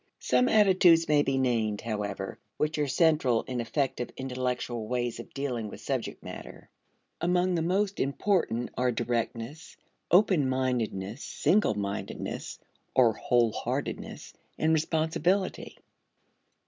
Some attitudes may be named, however, which are central in effective intellectual ways of dealing with subject matter. Among the most important are directness, open mindedness, single mindedness (or whole heartedness), and responsibility.